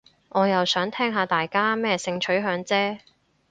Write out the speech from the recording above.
我又想聽下大家咩性取向啫